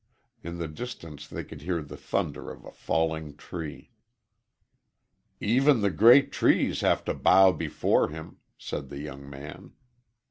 In the distance they could hear the thunder of a falling tree. "Even the great trees have to bow before him," said the young man.